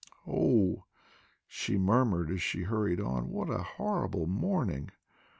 "Oh," she murmured as she hurried on, "what a horrible morning!"